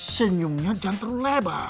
senyumnya jantung lebar